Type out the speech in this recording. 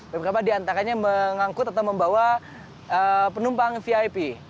beberapa di antaranya mengangkut atau membawa penumpang vip